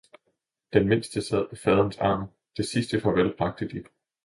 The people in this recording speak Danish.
den mindste sad på faderens arm, det sidste farvel bragte de.